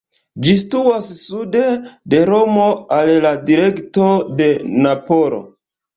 Ĝi situas sude de Romo, al la direkto de Napolo.